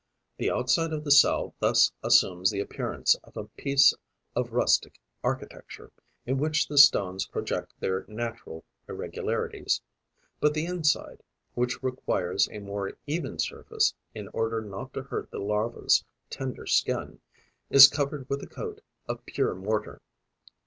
The outside of the cell thus assumes the appearance of a piece of rustic architecture, in which the stones project with their natural irregularities; but the inside, which requires a more even surface in order not to hurt the larva's tender skin, is covered with a coat of pure mortar.